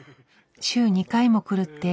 週２回も来るって